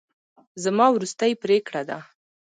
زما وروستۍ پرېکړه ده.